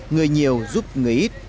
người nhiều giúp người ít